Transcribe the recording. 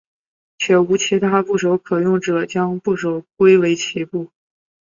且无其他部首可用者将部首归为齐部。